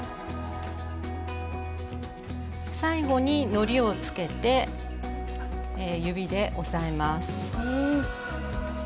最後にのりをつけて指で押さえます。